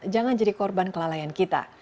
jangan jadi korban kelalaian kita